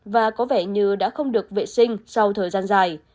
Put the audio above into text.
và có vẻ như đã không được vệ sinh sau thời gian dài